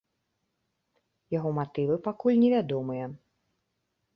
Яго матывы пакуль не вядомыя.